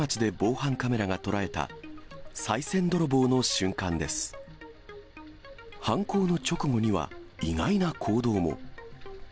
犯行の直後には、意外な行動も。